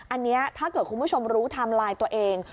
อันนี้ถ้าเกิดคุณผู้ชมรู้ไทม์ไลน์ตัวเอง